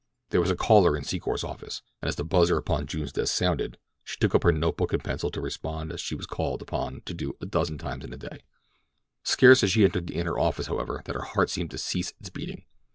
There was a caller in Secor's office, and as the buzzer upon June's desk sounded she took up her note book and pencil to respond as she was called upon to do a dozen times in a day. Scarce had she entered the inner office, however, than her heart seemed to cease its beating.